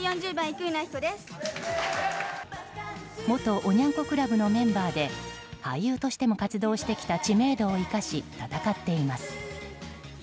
元おニャン子クラブのメンバーで俳優としても活動してきた知名度を生かし戦っています。